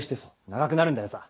長くなるんだよさ！